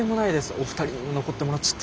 お二人にも残ってもらっちゃって。